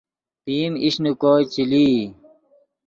پئیم ایش نے کوئے چے لئی